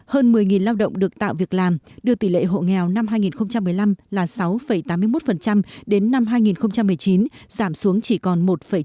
hơn một mươi lao động được tạo việc làm đưa tỷ lệ hộ nghèo năm hai nghìn một mươi năm là sáu tám mươi một đến năm hai nghìn một mươi chín giảm xuống chỉ còn một chín